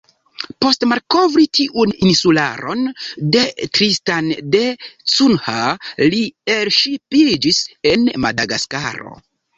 Post malkovri tiun insularon de Tristan da Cunha, li elŝipiĝis en Madagaskaro.